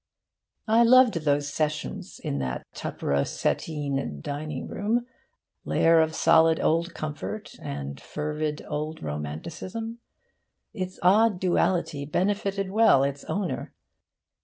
I loved those sessions in that Tupperossettine dining room, lair of solid old comfort and fervid old romanticism. Its odd duality befitted well its owner.